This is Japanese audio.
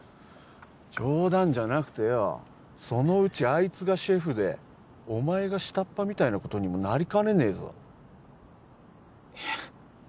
冗談じゃなくてよそのうちあいつがシェフでお前が下っ端みたいなことにもなりかねねえぞいえ